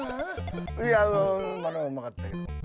いや今のはうまかったけど。